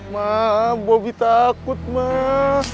mak bobby takut mak